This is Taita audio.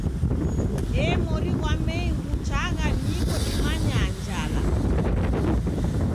Ee mori ghwa Mei ghuchagha niko dimanyaa njala!